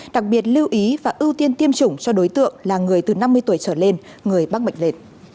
đặc biệt lưu ý và ưu tiên tiêm chủng cho đối tượng là người từ năm mươi tuổi trở lên người bác mệnh lệ